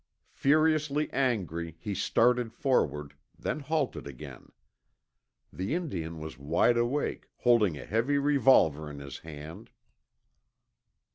Furiously angry, he started forward, then halted again. The Indian was wide awake, holding a heavy revolver in his hand.